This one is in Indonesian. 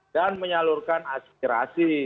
dan menyalurkan aspirasi